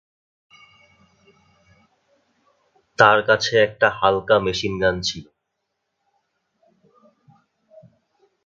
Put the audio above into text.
তার কাছে একটা হালকা মেশিনগান ছিল।